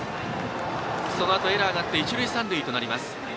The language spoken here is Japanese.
そのあと、エラーがあって一塁三塁となります。